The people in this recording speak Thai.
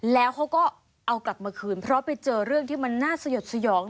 แล้วเขาก็เอากลับมาคืนเพราะไปเจอเรื่องที่มันน่าสยดสยอง